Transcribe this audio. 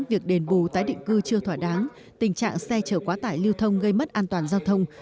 việc đền bù tái định cư chưa thỏa đáng tình trạng xe chở quá tải lưu thông gây mất an toàn giao thông